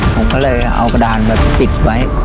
ผมก็เลยเอากระดานมาปิดไว้